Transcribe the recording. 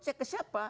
cek ke siapa